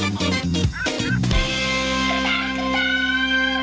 กลับกลับกลับ